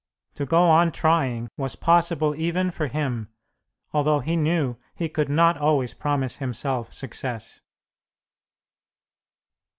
To go on trying was possible even for him, although he knew he could not always promise himself success.